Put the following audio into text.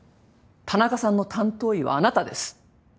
田中さんの担当医はあなたです。